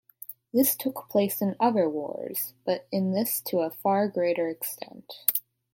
This took place in other wars, but in this to a far greater extent.